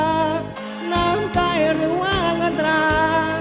พร้อมใจหรือว่าอัตรา